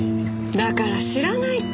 だから知らないって。